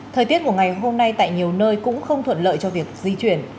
thời tiết của ngày hôm nay tại nhiều nơi cũng không thuận lợi cho việc di chuyển